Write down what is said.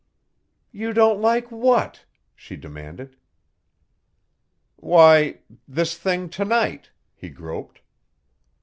"You don't like what?" she demanded. "Why this thing to night," he groped.